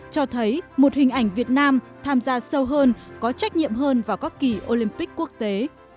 cho thấy một hình ảnh việt nam tham gia sâu hơn có trách nhiệm hơn vào các kỳ olympic quốc tế